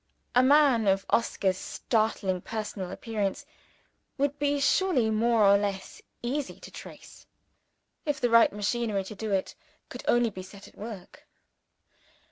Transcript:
A man of Oscar's startling personal appearance would be surely more or less easy to trace, if the right machinery to do it could only be set at work.